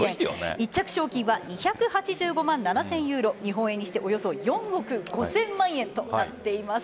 １着賞金は２８５万７０００ユーロ日本円にしておよそ４億５０００万円となっています。